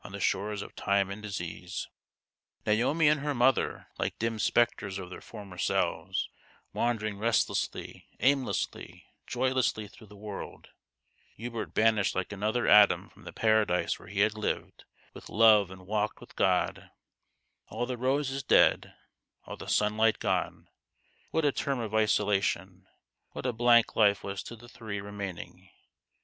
189 the shores of time and disease ; Naomi and her mother, like dim spectres of their former selves, wandering restlessly, aimlessly, joylessly through the world; Hubert banished like another Adam from the paradise where he had lived with Love and walked with Grod ; all the roses dead, all the sunlight gone ; what a term of isolation ! what a blank life was to the three remaining